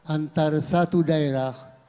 antara satu daerah